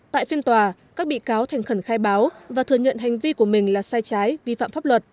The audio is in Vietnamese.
tại phiên tòa các bị cáo thành khẩn khai báo và thừa nhận hành vi của mình là sai trái vi phạm pháp luật